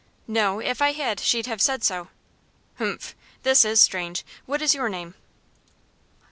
"No; if I had she'd have said so." "Humph! this is strange. What is your name?"